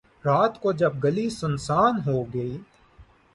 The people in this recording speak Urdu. رات کو جب گلی سنسان ہو گئی